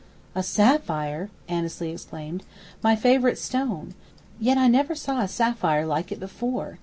"A sapphire!" Annesley exclaimed. "My favourite stone. Yet I never saw a sapphire like it before.